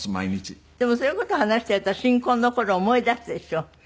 でもそういう事を話していると新婚の頃を思い出すでしょ？